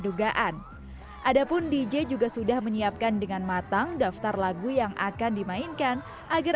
dugaan adapun dj juga sudah menyiapkan dengan matang daftar lagu yang akan dimainkan agar